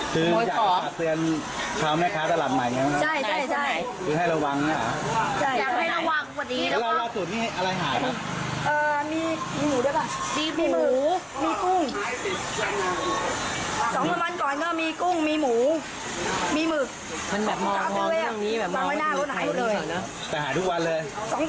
สองสามวันติดแล้วเนี่ยจะบอกว่าทำแบบนี้